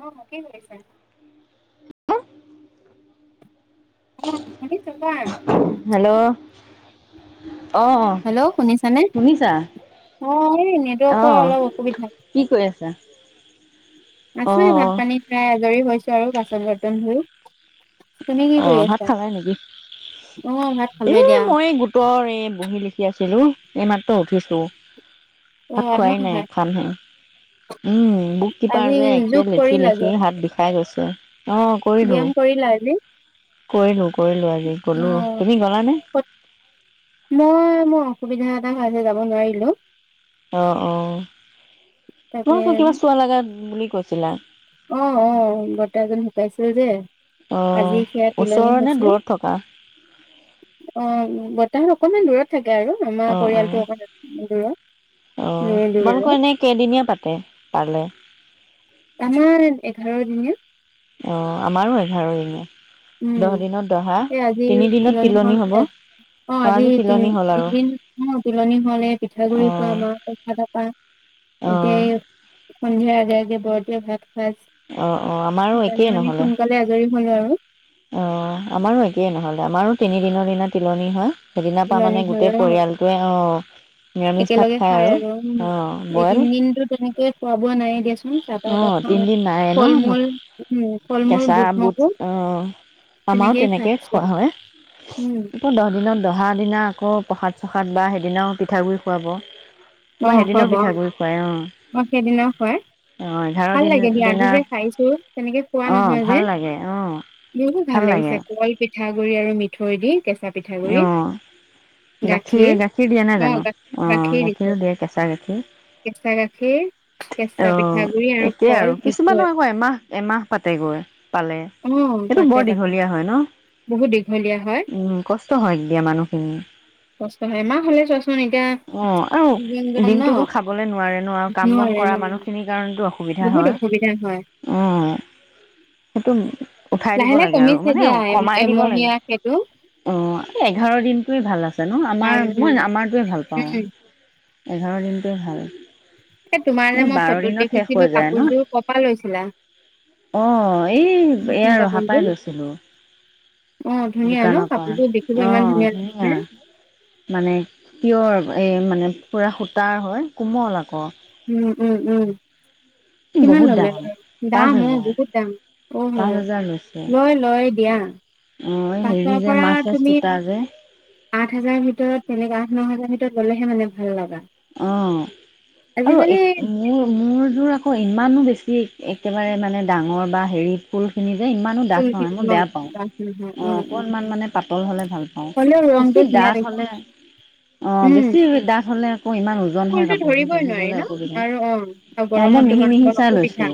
মোৰ সখী ধৰিছে। হেল্ল'? [inaudible] হেল্ল' শুনিছানে? অ' এই নেটৱৰ্কৰ অলপ অসুবিধা। আছো এই ভাত পানীত খাই আজৰি হৈছো। কেৰাহী, বাচন বৰ্তন ধুই তুমি কি কৰি আছা? অ' ভাত ই মই গোটৰ এই বহী লিখি আছো। ছিলো, এইমাত্ৰ উঠিছো। ভাত খোৱাই নাই খামহে। উম বুত কিপাৰ যে একে লিখি-লিখি হাত বিষাই গৈছে। [inaudible] ব্যায়াম কৰিলা আজি। কৰিলো- কৰিলো আ জি গ'লো। তুমি গ'লা নে। নাই মোৰ অসুবিধা এটা হয় যে যাব নোৱাৰিলো। অঁ-অঁ। তাকে, অ-অঁ বৰ্তা এজন ঢোকাইছিল যে, আজি সেয়া তিলনি হৈছিল, অঁ বৰ তা অকণমান দূৰত থাক কে আৰু আমাৰ পৰিয়ালটো অকণ দূৰত, [unintelligible] দূৰ আৰু। তে পালে। আমাৰ এঘাৰ দিনীয়া। অঁ আমাৰো এঘাৰদিনীয়া। উম, এই আজি তিলনী হ'ল অ আজি তি তিনিদিন অ, তিলনি হ'লে পিঠাগুৰি খোৱা [unintelligible] পা এতিয়া এই সন্ধিয়া আগে- আগে বৰতীয়া ভাত ভাত, জানে মানে সোনকালে আজৰি হৈ লওঁ আৰু। অঁ আমাৰো একেই নহ'লে, আমাৰো তিনি দিনৰ দিনা তিলনি হয়। সেইদিনাৰ পৰা মানে গোটেই পৰিয়ালটোৱে অ একেলগে খাই আৰু উম, এই তিনদিনতো তেনেকে খোৱা বোৱা নাই এ দিয়াচোন চাহ তাহ একাপ খাওঁ। নাই ন কেচা বুট অ আমাৰো তেনেকেই খুৱা হয়, আকৌ দহ দিনত দহা দিনা আকৌ প্ৰসাদ চসাদ বা সেইদিনাও পিঠা গুড়ি খুৱাব। তোমাৰ সেইদিনৰ পিঠাগুৰি খুৱাই অ, অ' এঘাৰ দিন আজি যে খাইছো তেনেকে খোৱা নহয় যে, বহুত ভাল লাগিছে কল পিঠা গুৰি আৰু মিঠৈ দি অ' গাখীৰ-গাখীৰ দিয়া নাই জানো, অ গাখীৰ দিয়ে কেঁচা গাখীৰ অ একেই আৰু কিছুমানো আকৌ এমাহ- এমাহ পাতেগৈ পালে। অঁ পাতে-পাতে, বহুত দীঘলীয়া হয়। কষ্ট হয় এমাহ হ'লে চোৱাচোন এতিয়া অ আৰু দিনটোতো খাবলৈ নোৱাৰে ন আৰু কাম বন কৰা মানুহখিনিৰ কাৰণেতো অসুবিধা হয়, অ সেইটো উঠাই দিব লাগে আৰু মানে কমাই দিব লাগে, অঁ সেইটো এঘাৰ দিনটোৱে ভাল আছে ন, আমাৰ মই আমাৰটোৱে ভাল অহ, এঘাৰ দিনটোৱে ভাল। ন বাৰ দিনত শেষ হৈ যায় ন অ এই এয়া ৰহা হাপাই ধৰিছিলো দোকানৰ পৰা অ ধুনীয়া মানে পিয়ৰ এই মানে পূৰা সূতাৰ হয়। কোমল আকৌ। উম উম উম। কিমান ললে দাম অ বহুত দাম। অহ লয় লয় দিয়া। পাছৰ পৰা তুমি আঠ হাজাৰ ভিতৰত তেনেকা নহজাৰ ভিতৰত ললেহে মানে ভাল লগা অ' আৰু মোৰ মোৰযোৰ আকৌ ইমানো বেছি একেবাৰে মানে ডাঙৰ বা হেৰি ফুলখিনি যে ইমানো ডাঠ নহয় মই বেয়া পাওঁ অ অকণমান মানে পাতল হ'লে ভাল পাওঁ বেছি ডাঠ হ'লে অ বেছি ডাঠ হ'লে ফুলতো ধৰিবই নোৱাৰি ন আৰু অ আৰু গৰমত তোমাৰ অক অসুবিধা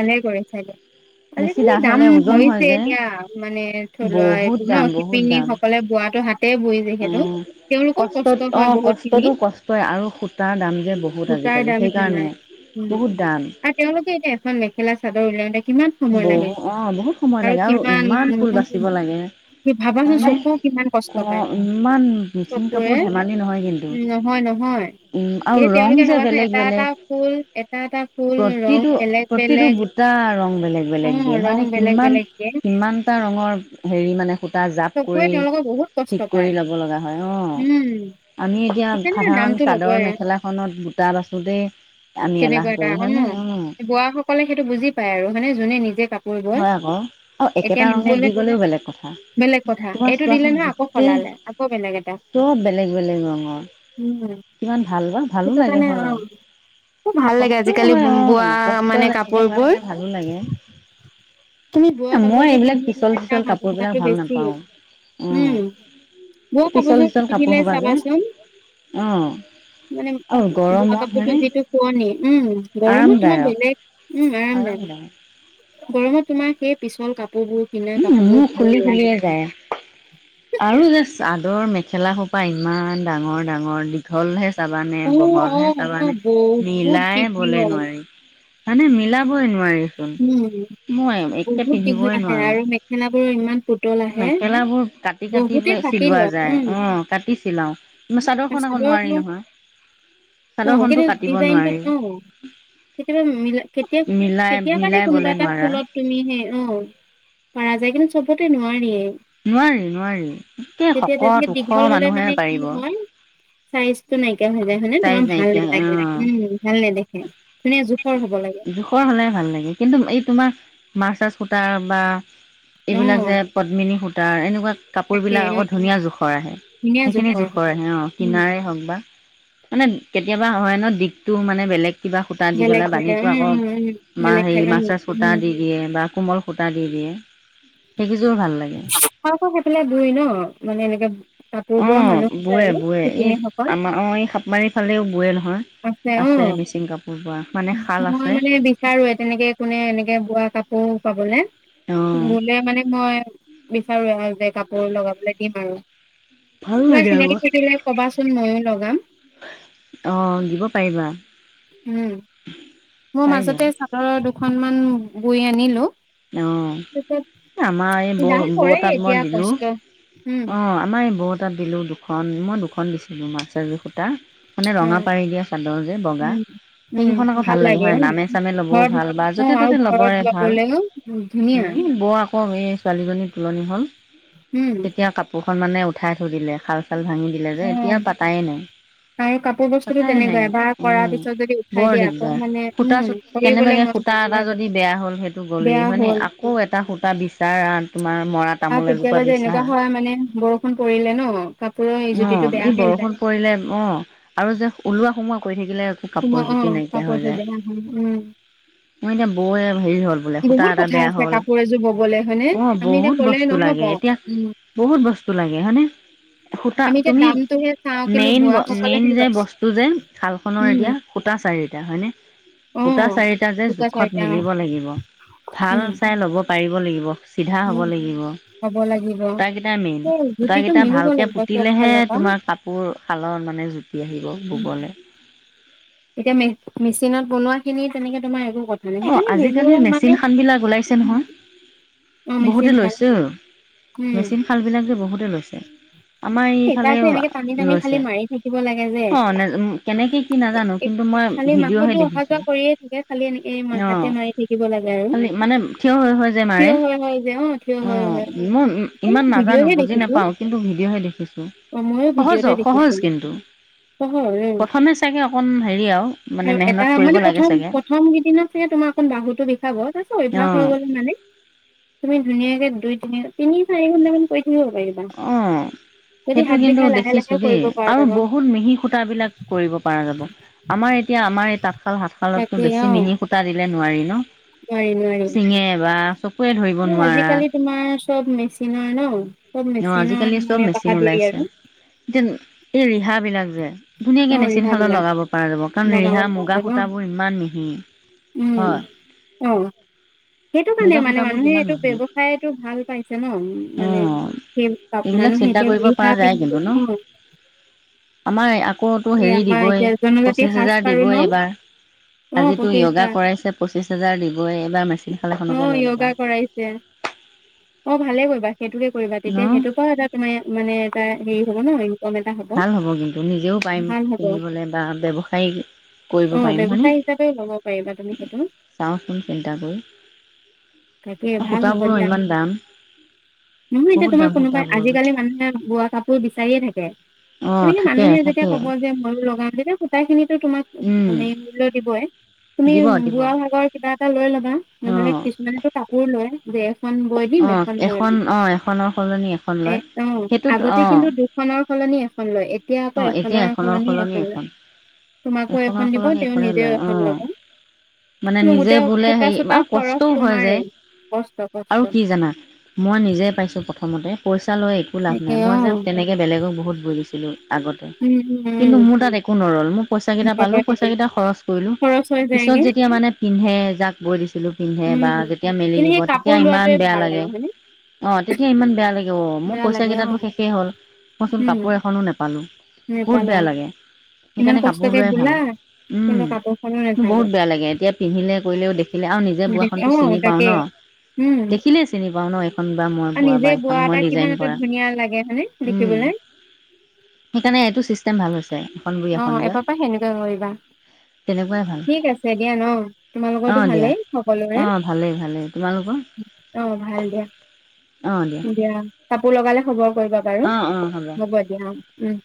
ভালেই কৰিছা দিয়া আলি কালি দাম হৈছে দিয়া মানে থলুৱা এইবোৰ ন শিপিনীসকলে বোৱাটো হাতে বই যিহেতু তেওঁলোকও কষ্ট হয় বহুত খিনি সূতাৰ দাম কিমান উম আৰু তেওঁলোকে এতিয়া এখন মেখেলা চাদৰ উলিয়াওতে কিমান বহু অ বহুত সময় লাগে আৰু ইমান ফুল বাচিব লাগে তানে ক ইমান মিচিং কাপোৰ ধেমালি নহয় কিন্তু হয় নহয় এতিয়া তেওঁলোকে ভাবাচোন এটা এটা ফুল এটা এটা ফুল ৰং বেলেগ বেলেগ বেলেগ বেলেগ দিয়ে হয়নে কি কিমানটা ৰঙৰ হেৰি মানে সূতা জাপ কৰি ঠিক কৰি ল'ব লগা হয় অঁ আমি এতিয়া সাধাৰণ চাদৰ মেখেলাখনত গুটা বাচোঁতেই আমি এলাহ কৰোঁ হয়নে অঁ যোনে নিজে ক হয় আকৌ আৰু একেটা ৰঙে দি গ'লেও বেলেগ কথা তোমাৰ চোৱাখন গোটেই চব বেলেগ বেলেগ ৰঙৰ কিমান ভাল বা ভালো লাগে হয় কষ্টও হয় অ কষ্ট যেনেকে হয় মানে ভাল ভালো লাগে [unintelligible] তুমি বোৱা কাপোৰযোৰ পিন্ধিলা তাৰ মাজটো বেছি উম বোৱা কাপোৰযোৰ পিন্ধিলে চাবাচোন মানে বোৱা কাপোৰযোৰ যিটো শোৱনিী উম গৰমত তোমাৰ বেলেগ উম আৰামদায়ক। গৰমত তোমাৰ সেই পিছল কাপ উম মোৰ খুলি খুলিয়ে যায় আৰু জা চদৰ মে খেলা সোপা ইমান ডাঙৰ ডাঙৰ দীঘলহে চাবানে বহলহে চাবানে নীলাই ব'লে নোৱাৰি। মানে মিলাবই নোৱাৰি। উম বহুত দীঘল আহে আৰু সেনাবোৰো ইমান মেখেলাবোৰ কাটি কাটি চিলোৱা যায়, অ' কাটি চিলাওঁ। কি চাদৰখন আকৌ নোৱাৰি নহয়, চাদৰ খনতো কাটিব নোৱাৰি। মিলাই কোনোবা এটা ফুলত তুমি সেই অ' পাৰা যায়। চবতে নোৱাৰিয়ে। নোৱাৰি নোৱাৰি একে শক ওখ মানুহে পাৰিব। চাইজটো নাই। ভা হানে তোমাৰ ভাল নালাগে উম ভাল নেদখে ধুনীয়া জোখৰ হ'ব লাগে। ভাল লাগে। কিন্তু এই তোমাৰ মাৰছাইজ সূতাৰ বা এইবিলাক যে পদ্মিনী সূত তাৰ এনেকুৱা কাপোৰ বিলাক আকৌ ধুনীয়া জোখৰ আহে। সেইখিনি জোখৰ আহে অ' কিনাৰে হওঁক বা মানে কেতিয়াবা হয় ন দিঘটো মানে বেলেগ কিবা সূতা দি পেলাই বানীটো আকৌ আমাৰ হেৰি মাছলাইজ সূতা দি দিয়ে। বা কোমল সূতা দি দিয়ে। সে খ খ খাই পেলাই দুই ন মানে এনেকে কাপোৰ বোৰ মানুহ আছে আৰু শিপিনীসকল আছে। অ' মই মানে বিচাৰো তেনেকে কোনে এনেকে বোৱা কাপোৰ পাবনে? মোলে মানে মই যে কাপোৰ লগাবলৈ দিম আৰু। তোমাৰ চিনাকি থাকিলে কবাচোন ময়ো লগাম, উম। মই মাজতে চাদৰ দুখনমান বৈ আনিলো। অ' আমাৰ এই বৌ বৌ তাত মই দিলো, অ' আমাৰ এই বৌ তাত দিলোঁ দুখন মই দুখন দিছিলোঁ মাছৰাইজ সূতা। মানে ৰঙা পাৰি দিয়া চাদৰ যে বগা, সেইকেইখন আকৌ ভাল লাগে হয় নামে চামে ল'বও ভাল বা য'তে ত'তে ল'বৰে ভাল। ধুনীয়া। আকৌ এই ছোৱালীজনীৰ তোলনি হ'ল। তেতিয়া কাপোৰ খন মানে উঠাই থৈ দিলে খাল খাল ভাঙি দিলে যে এতিয়া পাতাই নাই পাতাই নাই উম বৰ দিগদাৰ সূতা চত কেনেবাকে সূতা এটা যদি বেয়া হ'ল সেইটো গ'লেই। মানে আকৌ এটা সূতা বিচাৰ তোমাৰ আৰু কেতিয়াবা যে এনেকুৱা হয় মানে বৰষুণ পৰিলে ন কাপোৰ অঁ এই বৰষুণ পৰিলে অঁ আৰু যে ওলোৱা সোমোৱা কৰি থাক [unintelligible] ম এতিয়া বৌৱে হেৰি হ'ল বোলে, সূতা এটা বেয়া হ'ল, অঁ, বহুত বস্তু লাগে এতিয়া, বহুত বস্তু লাগে হয়নে? সূতা, তুমি মেইন ব মেইন যে বস্তু যে শালখনৰ এতিয়া সূতা চাৰিটা হয়নে, সূতা চাৰিটা যে জোখত মিলিব লাগিব ভাল চাই ল'ব পাৰিব লাগি চিধা হব লাগিব, সূতাকেইটাই মেইন সূতাকেইটা ভাল এতিয়া পুতিলেহে তোমাৰ কাপোৰ শালৰ মানে জুতি আহিব ববলে। এতিয়া মে মেচিনত বনোৱা খিনি তেনেকে তোমাৰ একো অঁ আজিকালি মেচিন শালবিলাক ওলাইছে নহয়, বহুতে লৈছেও, মেচিন শালবিলাক যে বহুত তে লৈছে। সেইপাত যে এনেকে টানি টানি খালি মাৰি থাকিব লাগে যে এই খালি মাকোতো অহা যোৱা কৰিয়ে থাকে খালি এ এই মা অঁ, খালি মানে থিয় হৈ হৈ যে মাৰে, অ', মই ইমান নাজানো, বুজি নাপাও কিন্তু ভিডিঅ'হে দেখি অ', ময়ো ভিডিঅ'তে দেখিছো। অ', হয়, অ', এটা মানে প্ৰথম প্ৰথমগিদিনা তোমাৰ অকণ বাহুটো বিষাব, তাৰপিছত অভ্যাস হৈ গ'লে মানে, তুমি ধুনীয়াকেই দুই [unintelligible] তিনি চাৰি ঘণ্টামান কৰি থাকিব পাৰিবা। সেইটো কিন্তু দেখিছো দেই আৰু বহুত মিহি সূতা বিলাক কৰিব পাৰা যাব। আমাৰ এতিয়া আমাৰ এ তাত শাল হাতশালতটো বেছি মিহি সুটা দিলে নোৱাৰি ন। নোৱাৰি নোৱাৰি। এই আজিকালি তোমাৰ চব মেচিনৰ [unintelligible] অ' আজিকালি চব মেচিন ওলাইছে। এতিয়া এই ৰিহাবলাক যে ধুনীয়াকে মেচিন শালত লগাব পৰা যাব কাৰণ ৰিহা মুগা সূতাবোৰ ইমান মিহি। হয়। সেইটো কাৰণে মানে মানুহে এইটো ব্যৱসায়টো ভাল পাইছে ন, মানে সেই প মানুহে এতিয়া ৰিহা পিন্ধে ন। আকৌতো হেৰি দিবই পঁচিছ হোজাৰ দিবই এইবাৰ, আজিতো য়োগা কৰাইছে পঁচিছ হেজাৰ দিবই এইবাৰ মে অ', য়োগা কৰাইছে। অ', ভালে। [unintelligible] সেইটোকে কৰিবা তেতিয়া সেইটো পৰাও এটা তুমে মানে এটা হেৰি হ'ব ন ইনকম ভাল হ'ব কিন্তু, নিজেও ভাল হ'ব। অ', ব্যৱসায় হিচাপেও ল'ব পাৰিবা তুমি সেইটো। তাকে ভাল হ'ব দিয়া। নহয়, এতিয়া তোমাক কোনোবাই আজিকালি মানুহে বোৱা কাপোৰ বিচাৰিয়েই থাকে। অ', থাকে থাকে। হ'ব যে ময়ো লগাম। তেতিয়া সুতা খিনিতো তোমাক হেৰি মূল্য দিবই তুমি বোৱা ভাগৰ কিবা [unintelligible] লৈ ল'ব। নহ'লে কিছুমানেটো কাপোৰ লয়, জে এখন বৈ দিম, এখন মই দিম। এ অ', আগতে কিন্তু দুখনৰ সলনি এখন লয়, এতিয়া আকৌ এখন সলনা সলনি [unintelligible] তোমাকো এখন দিব তেওঁ নিজেও এখন ল'ব। গোটেই সুটা-চুটা খৰচ তোমাৰেই, কষ্ট। আৰু কি জানা? মই নিজেই পাইছো প্ৰথমতে। [unintelligible] চা লৈ একো লাভ নাই, মই যে তেনেকে বেলেগক বহুত বৈ দিছো। তনে আগতে কিন্তু মোৰ তাত একো নৰল মোৰ পইচা কেইটা পালো পইচা কেইটা খৰচ কৰিলো পিছত যেতিয়া মানে পিন্ধে যাক বৈ দিছে। কিলো পিন্ধে বা যেতিয়া মেলি দিব। এতিয়া ইমান বেয়া লাগে। অ' তেতিয়া ইমান বেয়া লাগে অ' মোৰ পইচা কেইটাো শেষেই হ'ল মইচোন কাপোৰ এখনো নাপালো বহুত বেয়া লাগে সেইকাৰণে কাপোৰ লোৱাই ভাল উম মোৰ বহুত বেয়া লাগে এতিয়া পিন্ধিলে কৰিলেও দেখিলে আৰু নি যে বোৱাাখনতটো চিনি পাওঁ ন দেখিলেই চিনি পাওঁ ন এখন বা মই বোৱা বা এখন মই ডিজাইন কৰা সেইকাৰণে এইটো ছিষ্টেম ভাল হৈছে এখন বঢ় এখন বাোৱা তেনেকুৱাই ভাল অ দিয়া অ ভালেই ভালেই তোমালোকৰ অ' ভাল দিয়া দিয়া কাপোৰ লগালে খবৰ কৰিবা। বাৰু মগোৱা দিয়া। উম